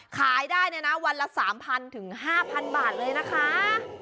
ขายได้เนี่ยนะวันละ๓๐๐ถึง๕๐๐บาทเลยนะคะ